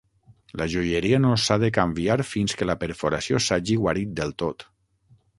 La joieria no s'ha de canviar fins que la perforació s'hagi guarit del tot.